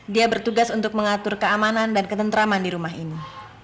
dia bertugas untuk mengatur keamanan dan ketentraman di rumah ini